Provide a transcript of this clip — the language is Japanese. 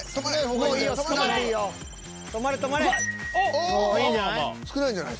おおいいんじゃない？